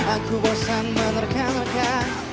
aku bosan menerka nerka